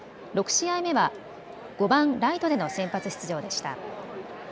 ６試合目は５番・ライトでの先発出場でした。